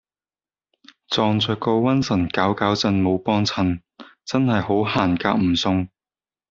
撞著個瘟神攪攪震冇幫襯真喺好行夾唔送